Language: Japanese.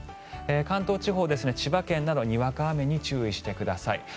関東地方、千葉県などにわか雨に注意してください。